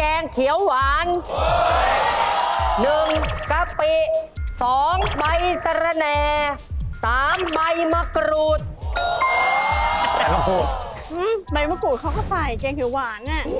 อื้มใบมะกรูดเขาก็ใส่แกงเขียวหวานน่ะ